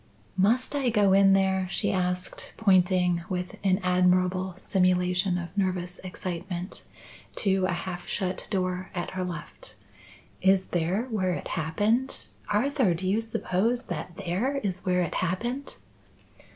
"Must I go in there?" she asked, pointing, with an admirable simulation of nervous excitement, to a half shut door at her left. "Is there where it happened? Arthur, do you suppose that there is where it happened?"